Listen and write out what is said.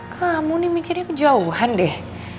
kamu nih mikirnya kejauhan deh